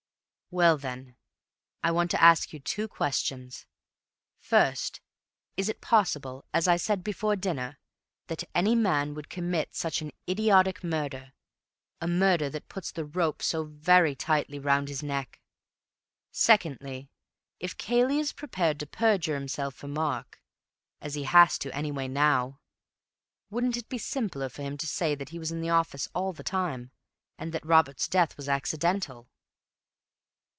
"Well then, I want to ask you two questions. First, is it possible, as I said before dinner, that any man would commit such an idiotic murder—a murder that puts the rope so very tightly round his neck? Secondly, if Cayley is prepared to perjure himself for Mark (as he has to, anyway, now), wouldn't it be simpler for him to say that he was in the office all the time, and that Robert's death was accidental?"